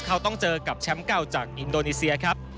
เขาต้องเจอกับแชมป์เก่าจากอินโดนีเซียครับ